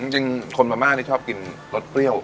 จริงคนพม่านี่ชอบกินรสเปรี้ยว